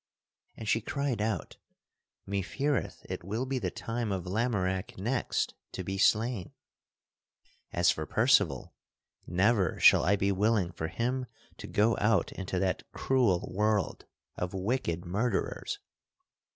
And she cried out: "Mefeareth it will be the time of Lamorack next to be slain. As for Percival; never shall I be willing for him to go out into that cruel world of wicked murderers.